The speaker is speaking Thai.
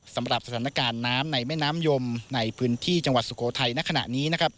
สำหรับสถานการณ์น้ำในแม่น้ำยมในพื้นที่จังหวัดสุโขทัยณขณะนี้นะครับ